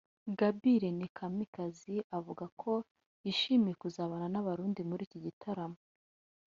Gaby Irene Kamanzi avuga ko yishimiye kuzabana n’abarundi muri iki gitaramo